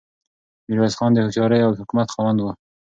میرویس خان د هوښیارۍ او حکمت خاوند و.